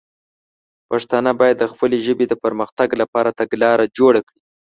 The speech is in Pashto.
پښتانه باید د خپلې ژبې د پر مختګ لپاره تګلاره جوړه کړي.